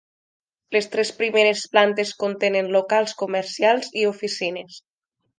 Les tres primeres plantes contenen locals comercials i oficines.